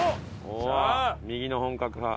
右の本格派。